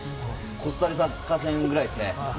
コスタリカ戦ぐらいですね。